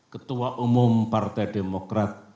ketua umum partai demokrat